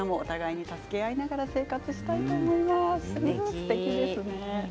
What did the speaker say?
すてきですね。